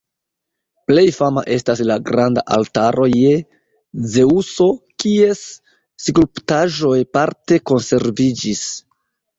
Plej fama estas la granda Altaro je Zeŭso, kies skulptaĵoj parte konserviĝis.